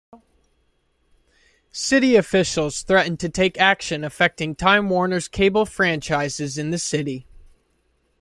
City officials threatened to take action affecting Time Warner's cable franchises in the city.